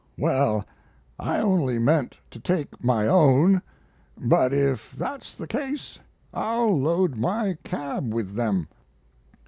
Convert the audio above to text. Well, I only meant to take my own; but if that's the case I'll load my cab with them."